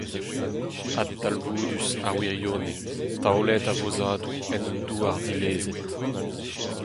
Had talvoudus ar wirionez taolet a-vozadoù en un douar dilezet.